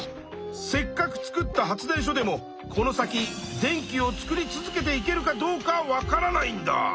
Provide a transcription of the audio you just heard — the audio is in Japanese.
せっかく作った発電所でもこの先電気を作り続けていけるかどうかわからないんだ。